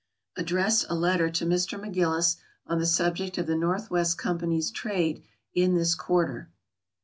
Addressed a letter to Mr. McGillis on the subject of the North West Company's trade in this quarter.